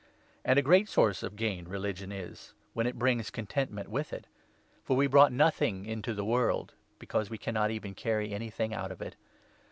And a great source of gain religion is, 6 wwijth when it brings contentment with it ! For we 7 brought nothing into the world, because we can not even carry anything out of it.